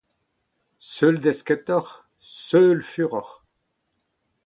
seul desketoc'h, seul furoc'h